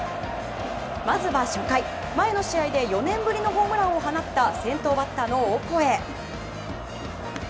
まずは初回、前の試合で４年ぶりのホームランを放った先頭バッターのオコエ。